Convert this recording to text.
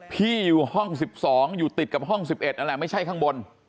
พี่อยู่ห้อง๑๒อยู่ติดกับห้อง๑๑นั่นแหละไม่ใช่ข้างบน